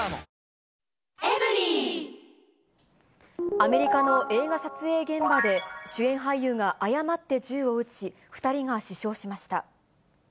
アメリカの映画撮影現場で、主演俳優が誤って銃を撃ち、２人が死傷しました。